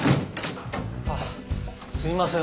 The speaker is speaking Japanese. あっすいません